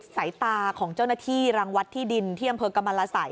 สายตาของเจ้าหน้าที่รังวัดที่ดินที่อำเภอกรรมรสัย